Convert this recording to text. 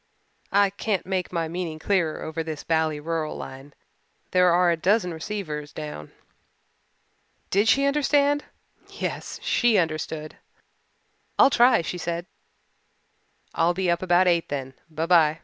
I can't make my meaning clearer over this bally rural line. There are a dozen receivers down." Did she understand! Yes, she understood. "I'll try," she said. "I'll be up about eight then. By by."